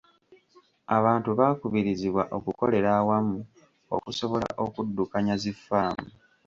Abantu baakubirizibwa okukolera awamu okusobola okuddukanya zi ffaamu.